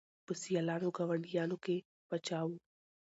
په سیالانو ګاونډیانو کي پاچا وو